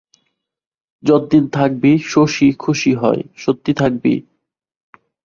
যদ্দিন থাকবি, শশী খুশি হয়, সত্যি থাকবি?